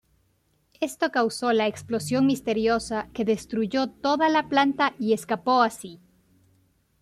Esto causó la explosión "misteriosa que destruyó toda la planta y escapó así.